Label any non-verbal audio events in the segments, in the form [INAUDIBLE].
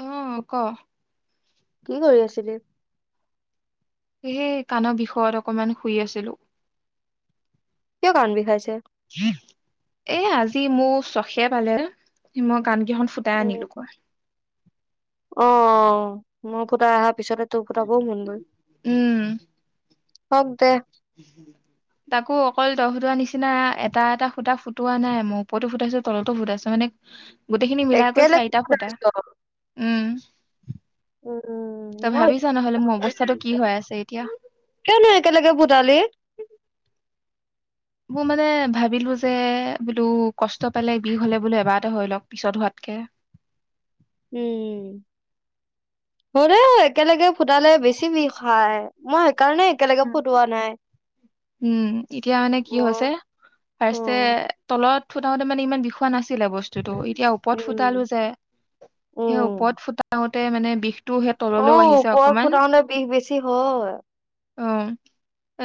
অহ ক কি কৰি আছিলি? সেই কাণৰ বিষয়ত অকমান শুই আছিলো কিয় কাণ বিষাইছে? এ আজি মোৰ চখে পালে হিম কান কেইখন ফুটাই উম, আনিলো কৈ অ মোৰ ফুটা তোৰ ফুটাবও মন গল। হওক দে উ তাকো অকল দহটোৱা নিচিনা এটা এটা সূতা ফুটোৱা নাই মোৰ ওপৰতো ফুটাই আছো তলতো ফুটাইছে মানে গোটেইখিনি মিলাকৈ একেলগে চাৰিটা ফুটা ফুটাইছ। উম উম, তই মই ভাবিছ নহলে মোৰ অৱস্থাতটো কি হৈ আছে এতিয়া কেনে একেলগে ফুতালি মোৰ মানে ভাবিলো যে বোলো কষ্ট পালে বিষ হলে বোলো এবাৰতে হৈ লওক পিছত হোৱাতকে। [UNINTELLIGIBLE] [INAUDIBLE] উম হ দে একেলগে ফুটালে বেছি বিষাই। [UNINTELLIGIBLE] মই সেইকাৰণে একেলগে ফুটোৱা নাই উম এতিয়া মানে কি মই হৈছে অ', ফাৰ্ষ্ট তলত ফুতাওঁতে মানে ইমান বিষোৱা নাছিলে বস্তুটো এতিয়া ওপৰত ফুটালো উম, যে সেই ওপত উম। ফুটাওতে মানে বিষ অ ওপৰত ফুটাওতে বিষ বেছি হয়। অ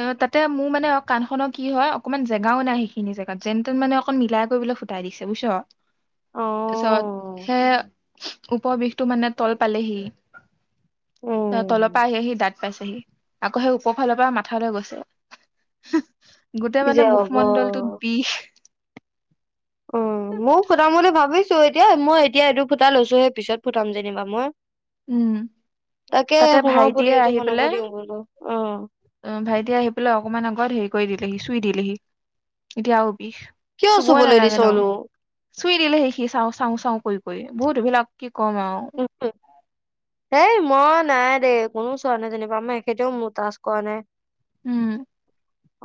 অ তাতে মোৰ মানে অ কানখনৰ কি হয় অকনমান জেগাও নাই সেইখিনি জেগাত যেন তেন মানে অকন মিলাই কৰিব। ফুটাই দিছে বুজিছ তাৰপিছত অ', সে পৰ বিষটো মানে তল পালেহি তলৰ উম, পৰা আহে সি দাঁত পাইছেহি আকৌ সেই ওপৰফালৰ পৰা মাথালৈ গৈছে কি গোটেই যে মানে হ'ব। মুখমণ্ডলটোত বিষ অ ময় ফুটাম বুলি ভাবিছো এতিয়া মই এতিয়া এইটো ফুটা লৈছো সেই পিছত ফুটাম যেনিবা মই উম তাকে তাতে সোণৰ ফুলি ভাইটিয়ে এযোৰ আহি বনাব পেলাই দিওঁ বোলো অ। অ ভাইটিয়ে আহি পেলাই অকমান আগত হেৰি কৰি দিলেহি চুই দিলেহি এতিয়া। বিষ কিয় চুবই চুবলৈ নালাগে ন দিছনো? চুই দিলে সেই সি চা চাওঁ চাওঁ কৰি বহুত এইবিলাক কি কম আৰু। হ মই নাই দেই কোনো চোৱা নাই যেনিবা মই এখেতেও মোৰ তাজ কৰা নাই। উম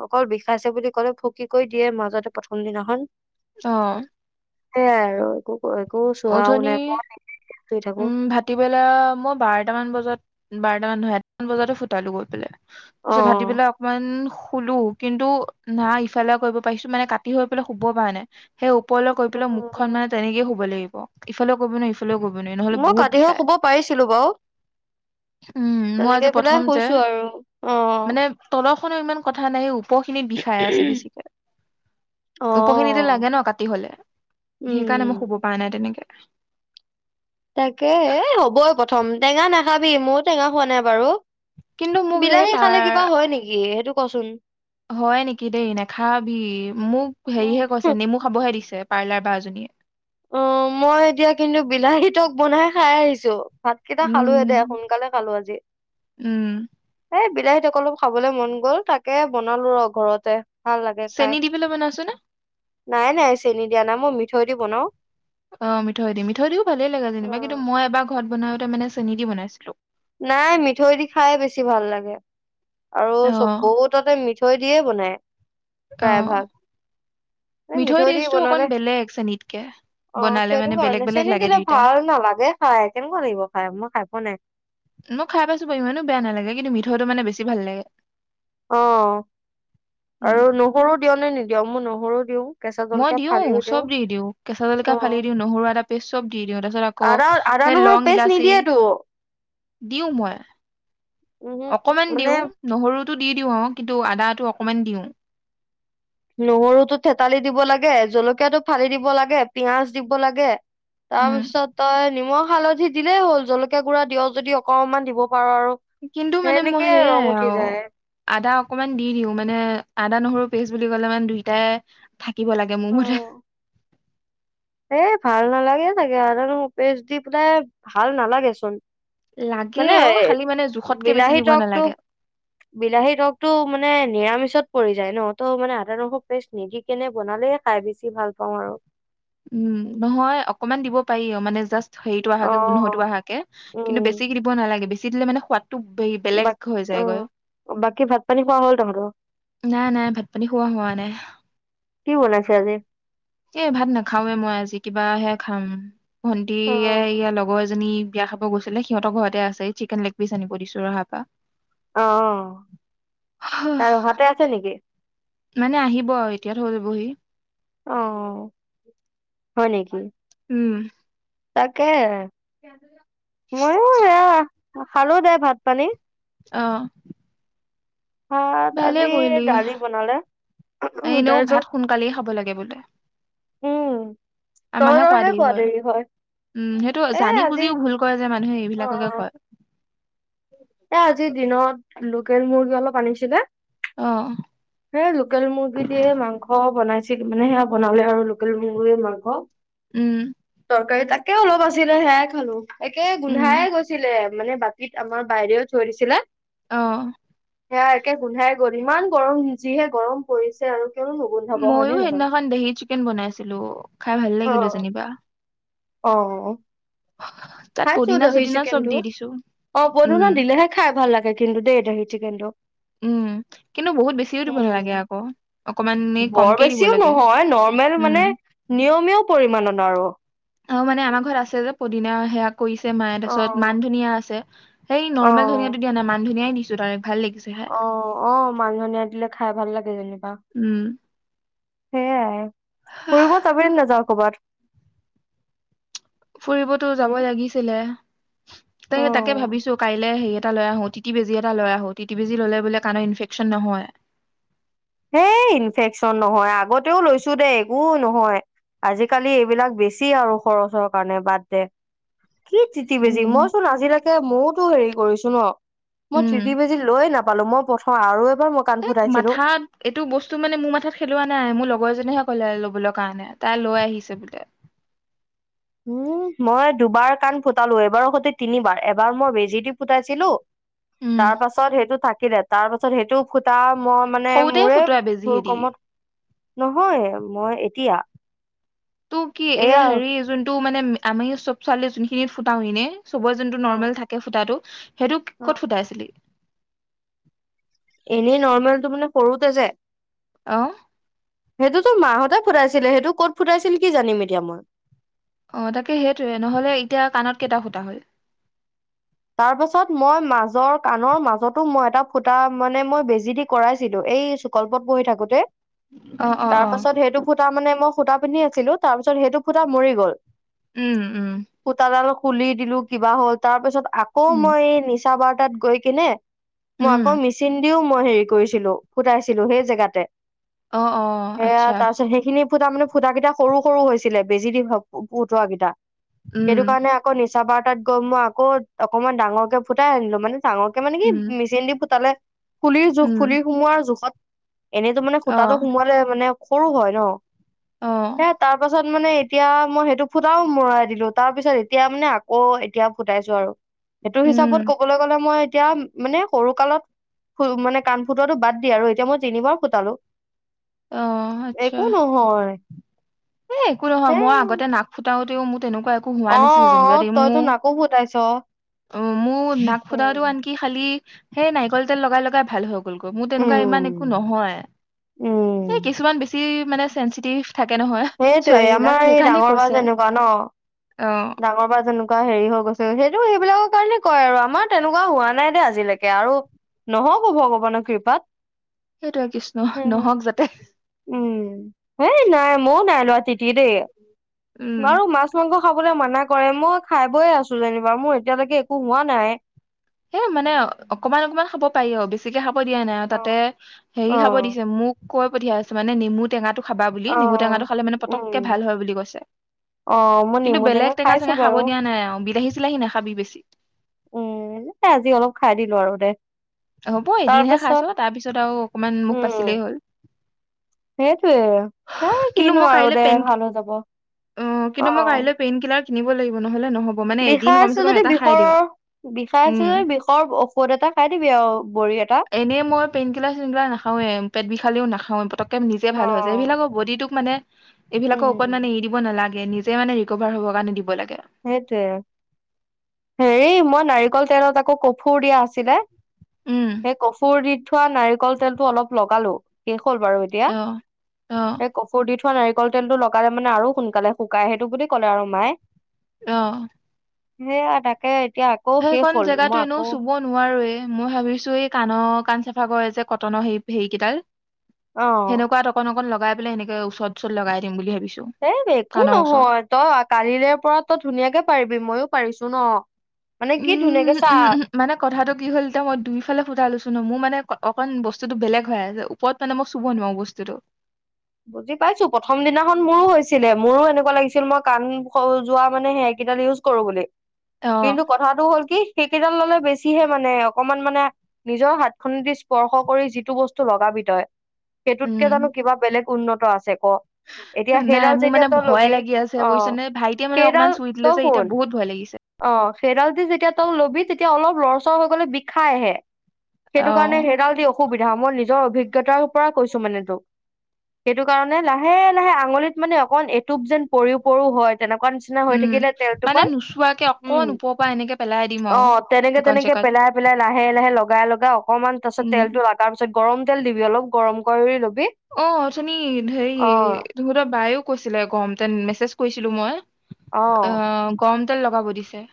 অকল বিষাইছে বুলি ক'লে ফুকী কৈ দিয়ে মাজতে প্ৰথম দিনাখন অহ সেইয়াই আৰু একো চোৱাও উথনি নাই মই শুই থাকো উম ভাটিবেলা মই বাৰটামান বজাত বাৰটামান নহয় এটামান বজাতো ফুটালো গৈ পেলাই। অ'। তাৰপিছত ভাটি বেলাই অকমান শো শুলো কিন্তু না ইফালে কৰিব পাৰিছো মানে কাটি হৈ পেলাই শুব পৰা নাই সেই। প কৈ পেলও মুখন মানে তেনেকে শুব লাগিব ইফালে ক কৰিব ন কৰিব নোৱাৰি নহলে মই বহুত কাটি হৈ বিষায় শুব পাৰিছিলো বাৰু উম মোৰ তেনেকে আজি পেলাই প্ৰথম যে, শুইছো আৰু অ'। মানে তলৰখনো ইমান কথা নাই ওপখিনিত বিষাই আছে বেছিকে ওপখিনিটো অ', লাগে ন কাটি হলে সেইকাৰণে মই উম। শুব পৰা নাই তেনেক তাকে এ হ'বই প্ৰথম টেঙা নাখাবি মইও টেঙা খোৱা নাই বাৰু কিন্তু মোক সেই বিলাহী পাৰ খালে কিবা হয় নেকি সেইটো কচোন হয় নেকি দেই নাখাবি, মোক হেৰিহে উম কৈছে নেমু খাবহে দিছে। পাৰ্লাৰ বাজনী [UNINTELLIGIBLE] অ মই এতিয়া কিন্তু বিলাহী তক বনাই খাই আহিছো। ভাতকেইটা খালোয়ে উম দে সোনকালে খালো আজি উম এই বিলাহী অলপ খাবলৈ মন গ'ল তাকে বনালো ৰ ঘৰতে ভাল লাগে খাই, চেনি দি পেলাই বনাইছো নে নাই নাই চেনি দিয়া নাই, মই মিঠৈ দি বনাও অ মিঠৈ দি মিঠৈ দিও ভালেই লাগে অ যেনিবা কিন্তু মই এবাৰ ঘৰত বনাওঁতে মানে চেনি দি বনাইছিলো। নাই, মিঠৈ দি খাই বেছি ভাল লাগে। আৰু অ চ বহুততে মিঠৈ দিয়ে বনাই। অ প্ৰায় ভাগ এ মিঠৈ দি তেজটো অকন বনালে বেলেগ চেনীতকে। অ সেইটো কাৰণে চেনী দিলে ভাল নালাগে খাই কেনেকুৱা লাগিব খাই মই খাই পোৱা নাই। মই খাই পাইছো বাৰু ইমানো বেয়া নালাগে কিন্তু মিঠৈটো মানে বেছি ভাল লাগে। অ উম আৰু নহৰু দিয় নে নিদিয় মই নহৰু দিওঁ। কেঁচা মই জলকীয়া দিও ফালিও চব দি দিওঁ কেঁচা জলকা অ ফালি দিওঁ নহৰু এটা পেষ্ট চব দি দিওঁ তাৰপিছত আকৌ আদা আদা সেই নহৰু লং পেষ্ট ইলাচি নিদিয়েতো দিওঁ মই। উমহো অকমান মানে দিওঁ, নহৰুত টো দি দিওঁ অ কিন্তু আদাটো অকমান দিওঁ। নহৰুটো থেতালি দিব লাগে জলকীয়াটো ফালি দিব লাগে পিয়াজ দিব লাগে। উম তাৰপিছত তই নিমখ হালধি, দিলেই হ'ল জলকীয়া গুড়া দিয় যদি অকনমান দিব। পাৰ আৰু কিন্তু মানে মই সেনেকে ৰং সেইয়াই উঠি আৰু যায় আদা অকমান দি দিওঁ মানে আদা, নহৰু পেজ বুলি ক'লে মানে দুইটাই থাকিব লাগে মোৰ অ মতে এ ভাল নালাগে চাগে আদা নহৰু পেষ্ট দি পেলাই ভাল নালাগে চোন লাগে মানে অ এ খালি মানে জোখতকে বেছি বিলাহী দিব টকটো নালাগে বিলাহী তকটো মানে নিৰামিষত পৰি যায় ন, তো মানে আদা নহৰু পেষ্ট নিদি কেনে বনালে খাই খাই চাই বেছি ভাল পাওঁ আৰু। উম নহয় অকমান দিব পাৰি মানে জাষ্ট হেৰিত অ অহাকে গোন্ধতটো অহাকে কিন্তু বেছি উম কি দিব নালাগে বেছি দিলে মানে সোৱাদ টো বে বেলেগ বাক হৈ অ যায় গৈ। বাকী ভাত পানী খোৱা হ'ল তহঁতৰ নাই নাই ভাতপানী খোৱা হোৱা নাই। কি বনাইছে আজি? এ ভাত নাখাওৱে মই আজি কিবাহে খাম অ ভন্টিয়ে ইয়াৰ লগৰ এজনী বিয়া খাব গৈছিলে সিহঁতৰ ঘৰতে আছে চিকেন লেগ পিচ আনিব দিছো ৰহা পা। অ তাই ৰহাতে আছে নেকি? মানে আহিব আও এতিয়া থৈ যাবহি অ হয় নেকি? উম। তাকে, মইয়ো সেয়া খালো দে ভাত- পানী। অ। ভাত ভালে আজি কৰিলি দালি বনালে। এনেও তাৰপিছত ভাত সোনকালেই খাব লাগে বোলে। উম আমাহে খোৱা দেৰি হয়। উম সেইটো এ জানি আজি বুজিও ভুল কৰে যে মানুহে অ এইবিলাককে অ কয়। এ আজিৰ দিনত লোকেল মুৰ্গী অলপ আনিছিলে। অ হে লোকেল মুৰ্গী দিয়ে মাংস বনাইছিল মানে সেয়া বনালে আৰু লো কেল মুৰ্গীৰ মাংস। উম। তৰকাৰী তাকে অলপ আছিলে সেয়াই খালো, একে উম গোন্ধাইে গৈছিলে মানে বাতিত আমাৰ বাহিৰেও থৈ দিছিলে। অহ। সেয়া একে গোন্ধাই গল ইমান গৰম যিহে গৰম পৰিছে আৰু। কিয়নো নুগোন্ধাব হয়নে ময়ো নহয় সেইদিনাখন দাহি চিকেন বনাইছিলো, খাই ভাল অ লাগিলো যেনিবা। অ। তাত খাইছো পদিনা দহি চদিনা চব চিকেনটো, দি দিছো অ উম পদুনা দিলেহে খাই ভাল লাগে কিন্তু দেই দহি চিকেনটো। উম। কিন্তু বহুত বেছিও দিব উম নালাগে আকৌ অকমান বৰ কমকেই দিব লাগে উম। নিয়মেও পৰিমানন আৰু। অ মানে আমাৰ ঘৰত আছে যে পদিনা সেয়া। কৈছে মায়ে অ তাছত মান ধনীয়া আছে, অ নৰ্মেল ধনীয়াটো দিয়া নাই মান ধনিয়াই দিছো তাই ভাল লাগি অ অ মান ধনীয়া দিলে খাই ভাল লাগে যেনি উম। সেয়াই, ফুৰিব যাবিনে নাযাওঁ কবাত? ফুৰিবতো যাব লাগিছিলে, অ ত তাকে ভাবিছো কাইলে হে এটা লৈ আহো টিতি বেজি এটা লৈ আহো, টিটি বেজি ললে বোলে কানৰ ইনফেকচন নহয়। সেই ইনফেকচন নহয় আগতেও লৈছো দে একো নহয়। আজিকালি এইবিলাক বেছি আৰু খৰচৰ কাৰণে বাদ দে। কি তিতি বেজী, উম। মই চোন আজিলৈকে মোৰোতো হেৰি কৰিছো ন, মই উম, ট্ৰিতি বেজি লৈ নাপালো মই পথ আৰু এবাৰ মই কাণ এ ফুটাইছিলো। মাথাত এইটো বস্তু মানে মোৰ মাথাত খেলোৱা নাই, মোৰ লগৰজনিয়েহে কলে ল'বলৈ কাৰণে তাই লৈ আহিছে বোলে। [INAUDIBLE] উম মই দুবাৰ কাণ ফুটালো এইবাৰৰ সৈতে তিনিবাৰ, এবাৰ মই বেজি দি ফুটাইছিলো উম, তাৰ পাছত সেইটো থাকিলে, তাৰ পাছত সেইটো ফুতা মই মানে সৰুতে মোৰে ফুটোৱা বেজি ভুল এদি। কমত নহয় মই এতিয়া তোৰ কি এই এয়া হেৰি যোনটো মানে আমি চব ছোৱালীয়ে যোনখিনিত ফুটাও ইনে চবৰ যোনটো নৰ্মেল থাকে ফুটাটো। সেইটো ক'ত ফুটাইছিলি? এনেই নৰ্মেলটো মানে সৰুতে যে অ। সেইটোতো মাহঁতে ফুটাইছিলে, সেইটো কত ফুটাইছিল কি জানিম এতিয়া মই? অ তাকে সেইটোৱে নহলে এতিয়া কাণত কেইটা ফুটা হল? তাৰ পাছত মই মাজৰ কাণৰ মাজতো মই এটা ফুটা মানে মই বেজি দি কৰাইছিলো এ সেই চুকল্পত পঢ়ি থাকোতে, অ অ তাৰ অ পাছত সেইটো ফুটা মানে মই সোতা পিন্ধি আছিলো, তাৰ পিছত সেইটো ফুটা মৰি গল, উম উম সোতাডাল খুলি দিলো কিবা হ'ল তাৰ পিছত আকৌ উম মই এই নিচা বাৰ টাত গৈ কিনে মই উম আকৌ মেচিন দিও মই হেৰি কৰিছিলো ফুটাইছিলো সেই জেগাতে অ অ সে আচ্ছা তাৰপিছত সেইখিনি ফুটা মানে ফুটা কেইটা সৰু সৰু হৈছিলে বেজি দি ফুটোৱা কেইটা সেইটো উম কাৰণে আকৌ নি নিচা বাৰ টাত গৈ মই আকৌ অকনমান ডাঙৰকে ফুটাই আনিলো মানে ডাঙৰকে মানে কি উম মেচিন দি ফুটালে ফুলিৰ জোখ উম ফুলি সোমোৱাৰ জোখত এনেইতো মানে অ সূতাটো সোমোৱালে মানে সৰু হয় ন অ সে তাৰ পাছত মানে এতিয়া মই সেইটো ফুটাও মৰাই দিলো তাৰ পিছত এতিয়া মানে আকৌ এতিয়া ফুটাইছো আৰু সেইটো উম হিচাপত ক'বলৈ গ'লে মই এতিয়া মানে সৰু কালত মানে কাণ ফুটোৱাটো বাদ দি আৰু এতিয়া মই তিনিবাৰ ফুটালো অ আচ্ছা একো নহয় এ একো নহয় হে মই আগতে নাক ফুটাওতেও তেনেকুৱা একো হোৱা অ নাছিল যেনিবা দে মো তইতো নাকো ফুটাইছ অ মোৰ নাক ফুটাটো উম আনকি খালি সেই নাৰিকল তেল লগাই লগাই ভাল হল মোৰ তেনেকুৱা ইমান একো উম নহয় এই উম কিছুমান বেছি মানে চেঞ্চিটিভ থাকে নহয় সেইটোয়ে ছোৱালী বিলাক আমাৰ এই সেইকাৰণে ডাঙৰ বা কৈছে যেনেকুৱা ন অ ডাঙৰ বা যেনেকুৱা হেৰি হৈ গৈছে সেইটো সেইবিলাকৰ কাৰণে কয় আৰু আমাৰ তেনেকুৱা হোৱা নাই দেই আজিলৈকে আৰু নহব ভগৱানৰ কৃপাত সেইটোয়ে কৃষ্ণ নহওক যাতে উম হেই নাই মইও নাই লোৱা তিতি দেই উম বাৰু মাছ মাংস খাব মানা কৰে মই খাই বৈয়ে আছো যেনিবা মোৰ এতিয়ালৈকে একো হোৱা নাই হেই মানে অকমান অকমান খাব পাৰি অ বেছিকে খাব। দিয়া নাই আৰু অ তাতে হেৰি খাব অ দিছে মোক কৈ পঠিয়াইছে মানে নিমু টেঙাটো। খাবা বুলি অ নেমু টেঙাটো খালে মানে উম পটককে ভাল হয় বুলি কৈছে। অ মই কিন্তু নেমু বেলেগ টেঙা খাইছো চেঙা খাব বাৰু দিয়া নাই অ বিলাহী চিলাহী নাখাবি বেছি। উম এ আজি অলপ খাই দিলো আৰু দে হ'ব তাৰ এদিনহে খাইছ পাছত তাৰ পিছত আৰু অকমান মুখ পাছিলেই হ'ল। সেইটোৱে এই কিন্তু কিনো মই আৰু কাইলৈ দে পেইন ভাল হৈ যাব। অ কিন্তু মই কাইলৈ পেইন কিলাৰ কিনিব লাগিব নহলে। নহ'ব মানে এদিন বিষাই কমচে আছে কম যদি এটা খাই দিওঁ বিষৰৰ বিষাই উম আছে যদি বিষৰ ঔষধ এটা খাই দিবি আৰু। বড়ি এটা এনেই মই পেইন কিলাৰ চেইন কিলা নাখাওৱে পেট বিষালেও নাখাওে প। [UNINTELLIGIBLE] একম নিজে অ ভাল হৈছে এইবিলাকৰ বডিটোক মানে উম এইবিলাকৰ ওপৰত মানে এৰি দিব নালাগে। নিজে মানে ৰিকভাৰ হব কাৰণ দিব লাগে। সেইটোৱে হেৰি মই নাৰিকল তেলত আকৌ কফুৰ দিয়া আছিলে। উম সেই কফুৰ দি থোৱা নাৰিকল তেলতটো অলপ লগালো। কল বাৰু এতিয়া অ অ একো মই নাৰিকল তেলতটো লগালে মানে আৰু সোনকালে শুকাই সেইটো বুলি ক'লে আৰু মায়ে আহ সেইয়া তাকে এতিয়া আকৌ শেষ সেইখনন হ'ল জেগাতো মই এনেও আকৌ চুব নোৱাৰোয়ে। মই ভাবিছো এই কাণৰ কাণ চাফা কৰে যে কটনৰ হ হেৰি কেইডাল অ সেনেকুৱা অকন অকন লগাই পেলাই সেনেকে ওচৰত ওচৰত লগাই দিম বুলি ভাবিছো। এ একো কাণৰ ওচৰত নহয় তই কালিলৰে পৰা তই ধুনীয়াকে পাৰিবি মইও পাৰিছো ন মানে কি উম ধুনীয়াকে উম চা উম উম মানে কথাটো কি হ'ল এতিয়া মই দুইফালে ফুটা লৈছো ন মোৰ মানে অকণ বস্তুতটো বেলেগ হয় আ ওপৰত মানে মই চুব নোৱাৰো বস্তুতটো বুজি পাইছো প্ৰথম দিনাখন মোৰো হৈছিলে মোৰো এনেকুৱা লাগিছিল মই কাণ খ যোৱা মানে সেয়। কেইদাল ইউজ কৰো বুলি অ কিন্তু কথাতটো হ'ল কি? সেইকেইডাল ললে বেছিহে মানে অকমান মানে নিজৰ হাত খনেদি স্পৰ্শ কৰি যিটো বস্তু লগাব। সেইটোতকে জানো উম কিবা বেলেগ উন্নত আছে ক। এতিয়া নাই সেইদাল মোৰ যেতিয়া মানে তই ভয় লবি লাগি আছে অ বুজিছ নে ভাইটিয়ে মানে অকমান সেইদাল চুই দিলে তই যে এতিয়া শুন। বহুত ভয় লাগিছে অ সেইডাল দি যেতিয়া তই লবি তেতিয়া অলপ লৰচৰ হৈ গ'লে বিষাইহে। অ সেইটো কাৰণে সেইডাল দি অসুবিধা মই নিজৰ অভিজ্ঞতাৰ পৰা কৈছো মানে তোক। সেইটো কাৰণে লাহে লাহে আঙুলিত মানে অকন এটোপ যেন পৰিও পৰো হয়। তেনেকুৱা নিচিনা হৈ থাকিলে তেল টোপাল চোৱাকে উম অকন ওপ‌ পৰা এনেকে পেলাই দিম অ আৰু তেনেকে সেইকণ তেনেকে জেগাত পেলাই পেলাই লাহে লাহে লগাই লগাই অকনমান তাৰ পিছত উম তেলটো লগাৰ পিছত গৰম তেল দিবি অলপ গৰম কৰি লবি। অ উথনি হেৰি অ তহঁতৰ বায়েও কৈছিলে গৰম তেল মেছেজ কৰিছিলো মই। অ গৰম তেল লগাব দিছে।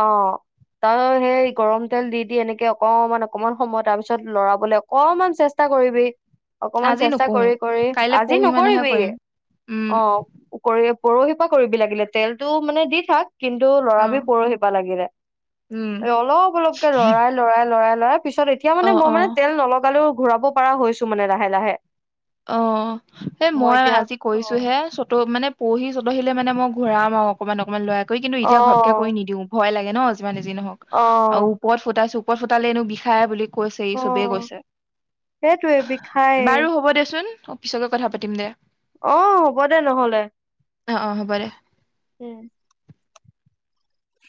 অ তাৰ সেই গৰম তেল দি দি এনেকে অকমান অকমান সময় তাৰ পিছত লৰাবলে অকনমান চেষ্টা কৰিবি। অকমান আজি চেষ্টা নকৰো কৰি কৰি কাইলে আজি পৰহি মানেহে নকৰিবি, কৰিম উম অ। পৰহি পৰা কৰিবি লাগিলে তেলতটো মানে দি থাক কিন্তু অ লৰাবি পৰহি লাগিলে উম। অলপ অলপকে লৰাই লৰাই লৰাই লৰাই পিছত এতিয়া অ মানে মই অ মানে তেল নলগালেও ঘূৰাব পৰা হৈছো মানে লাহে লাহে। অ সেই মই আজি কৰিছো হে চত মানে পৰহি চতহিলে মানে মই ঘূৰাম আৰু অকনমান অকনমান লৰাই কৰি কিন্তু অ এতিয়া ঘপকে কৰি অ নিদিওঁ ভয় লাগে ন। যিমানে যি নহওক আৰু ওপৰত ফুতাইছো ওপৰত ফুটালে এনো বিষাই বুলি কৈছে ই অ চবেই কৈছে, সেইটোৱে বিষায়ে বাৰু হ'ব দে। চোন অফিচত গৈ কথা পাতিম দে। অহ হ'ব দে নহলে অ অ হ'ব দে উম।